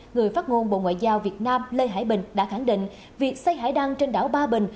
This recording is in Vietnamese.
người phát ngôn bộ ngoại giao việt nam lê hải bình đã khẳng định việc xây hải đăng trên đảo ba bình